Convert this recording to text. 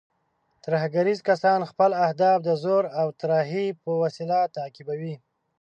ترهګریز کسان خپل اهداف د زور او ترهې په وسیله تعقیبوي.